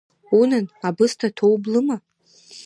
Унан, абысҭа ҭоублыма?